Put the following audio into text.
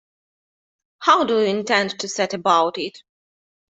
How do you intend to set about it?